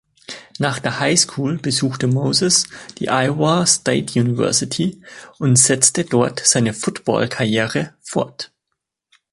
Nach der High School besuchte Moses die Iowa State University und setzte dort seine Football-Karriere fort.